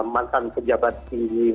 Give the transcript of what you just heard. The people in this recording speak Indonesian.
mantan pejabat di